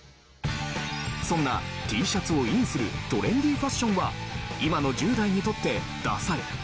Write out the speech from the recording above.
そんなＴシャツをインするトレンディファッションは今の１０代にとってダサい？